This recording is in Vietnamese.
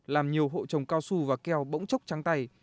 làm nhiều hộ trồng cao su và keo bỗng chốc trắng tay